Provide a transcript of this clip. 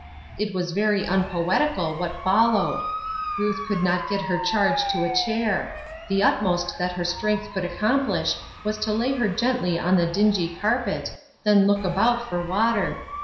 It was very unpoetical, what followed. Ruth could not get her charge to a chair ; the utmost that her strength could accom plish was to lay her gently on the dingy carpet, then look about for water.